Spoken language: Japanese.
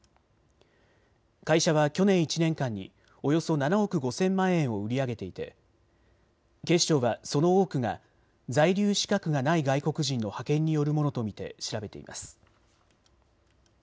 会社は去年１年間におよそ７億５０００万円を売り上げていて警視庁はその多くが在留資格がない外国人の派遣によるものと見て調べています。